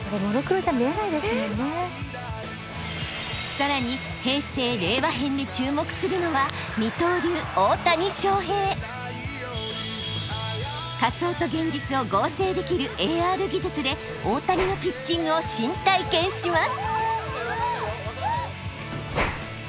さらに平成・令和編で注目するのは仮想と現実を合成できるＡＲ技術で大谷のピッチングを新体験します。